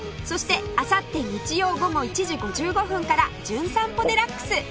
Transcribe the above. そしてあさって日曜午後１時５５分から『じゅん散歩デラックス』！